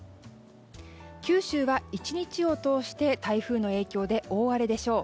九州は、１日を通して台風の影響で大荒れでしょう。